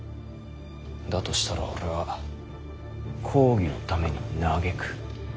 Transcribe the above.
だとしたら俺は公儀のために嘆く。